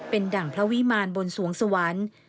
เป็นดั่งพระวิมารบนสวงสวรรค์